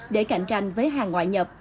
để cạnh tranh với hàng ngoại nhập